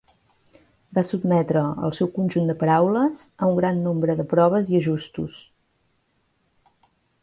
Va sotmetre el seu conjunt de paraules a un gran nombre de proves i ajustos.